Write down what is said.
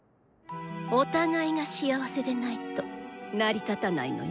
「お互い」が幸せでないと成り立たないのよ。